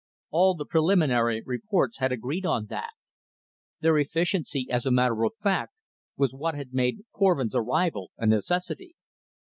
All the preliminary reports had agreed on that; their efficiency, as a matter of fact, was what had made Korvin's arrival a necessity.